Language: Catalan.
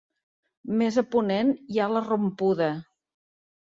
Més a ponent hi ha la Rompuda.